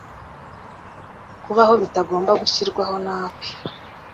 Kubaho bitagomba gushyirwaho na nawe